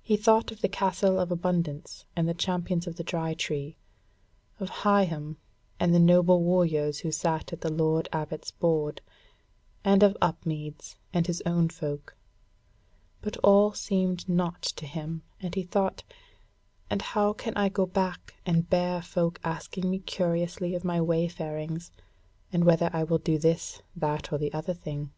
He thought of the Castle of Abundance and the Champions of the Dry Tree, of Higham, and the noble warriors who sat at the Lord Abbot's board, and of Upmeads and his own folk: but all seemed naught to him, and he thought: "And how can I go back and bear folk asking me curiously of my wayfarings, and whether I will do this, that, or the other thing."